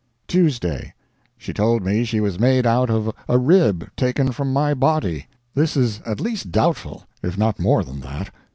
TUESDAY. She told me she was made out of a rib taken from my body. This is at least doubtful, if not more than that.